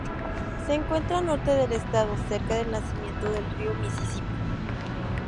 Se encuentra al norte del estado, cerca del nacimiento del río Misisipi.